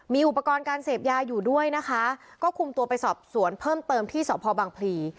มีอุปกรณ์การเสพยาอยู่ด้วยนะคะก็คุมตัวไปสอบสวนเพิ่มเติมที่สพบังพลี